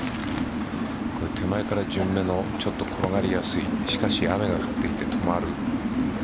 手前から順目のちょっと転がりやすいしかし雨が降っていて止まる。